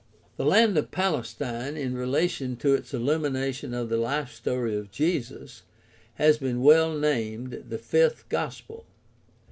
The land of Palestine, in relation to its illumination of the life story of Jesus, has been well named "the Fifth Gospel."